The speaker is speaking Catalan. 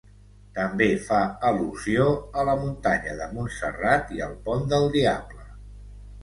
També fa al·lusió a la muntanya de Montserrat i al pont del Diable.